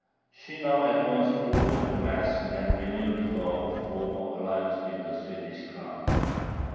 She now at once threw off the mask, and renewed her former alliance with the Swedish crown.